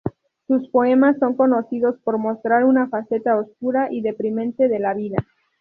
Sus poemas son conocidos por mostrar una faceta oscura y deprimente de la vida.